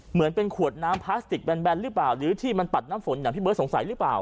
เหมือนเป็นขวดน้ำพลาสติกแบนหรือเปล่าหรือที่มันปัดน้ำฝนอย่างพี่เบิร์ดสงสัยหรือเปล่า